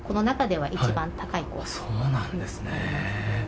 そうなんですね。